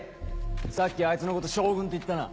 さっきあいつのこと「将軍」って言ったな？